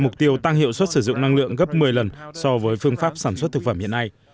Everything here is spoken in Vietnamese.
mục tiêu tăng hiệu suất sử dụng năng lượng gấp một mươi lần so với phương pháp sản xuất thực phẩm hiện nay